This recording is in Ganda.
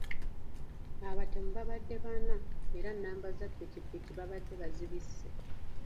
Abatemu babadde bana era nnamba za ppikipiki babadde bazibisse.